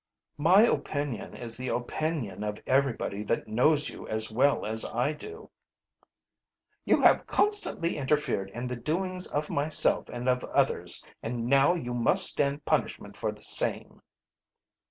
"My opinion is the opinion of everybody that knows you as well as I do." "You have constantly interfered in the doings of myself and of others, and now you must stand punishment for the same."